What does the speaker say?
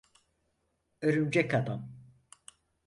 Örümcek Adam.